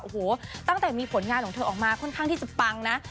โอ้โหตั้งแต่มีผลงานของเธอออกมาค่อนข้างที่จะปังนะ